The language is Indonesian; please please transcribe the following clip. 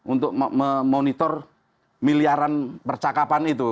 untuk memonitor miliaran percakapan itu